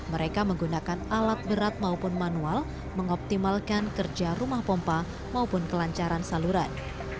mereka menggunakan alat berat maupun manual mengoptimalkan kerja rumah pompa maupun kelancaran saluran